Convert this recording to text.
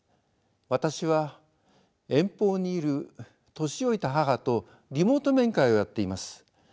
私は遠方にいる年老いた母とリモート面会をやっています。